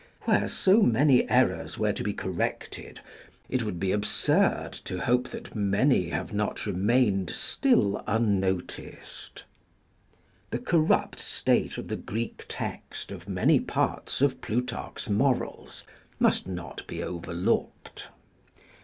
Where so many errors were to be cor rected, it would be absurd to hope that many have not remained still uimoticed. The corrupt state of the Greek text of many parts of Plutarch's Morals must not be overlooked.